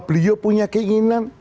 beliau punya keinginan